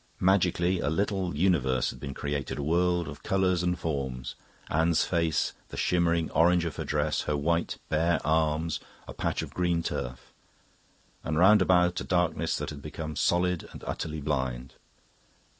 Magically, a little universe had been created, a world of colours and forms Anne's face, the shimmering orange of her dress, her white, bare arms, a patch of green turf and round about a darkness that had become solid and utterly blind.